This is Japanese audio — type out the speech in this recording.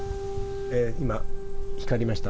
今、光りました。